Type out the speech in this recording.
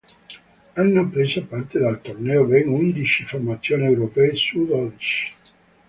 Hanno preso parte al torneo ben undici formazioni europee su dodici.